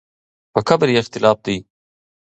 په قبر یې اختلاف دی.